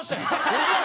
ホンマや。